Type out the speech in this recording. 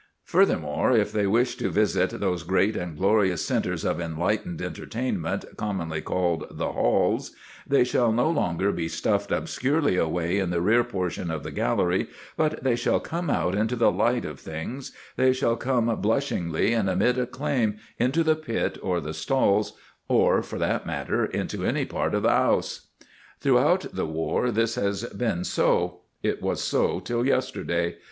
Furthermore, if they wish to visit those great and glorious centres of enlightened entertainment commonly called the Halls, they shall no longer be stuffed obscurely away in the rear portion of the gallery, but they shall come out into the light of things; they shall come blushingly and amid acclaim into the pit or the stalls, or, for that matter, into any part of the 'ouse. Throughout the war this has been so. It was so till yesterday.